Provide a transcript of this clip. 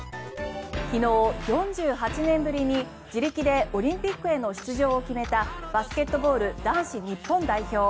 昨日、４８年ぶりに自力でオリンピックへの出場を決めたバスケットボール男子日本代表。